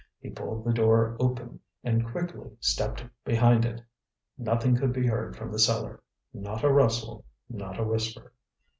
He pulled the door open and quickly stepped behind it. Nothing could be heard from the cellar, not a rustle, not a whisper.